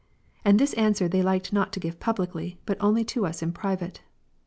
And this answer they liked not to give publicly, but only to us in private.